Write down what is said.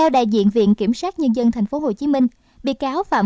đại diện viện kiểm sát nhân dân tp hcm